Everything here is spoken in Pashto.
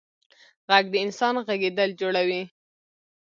غږ د انسان غږېدل جوړوي.